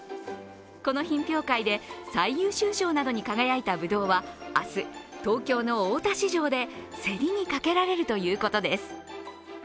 この品評会で最優秀賞などに輝いたぶどうは明日、東京の大田市場で競りにかけられるということです。